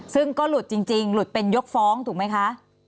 ซึ่งก็หลุดจริงหลุดเป็นยกฟ้องถูกไหมคะ